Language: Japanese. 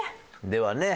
ではね